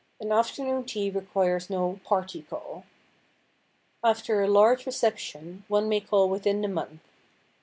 An afternoon tea requires no "party call." After a large reception one may call within the month.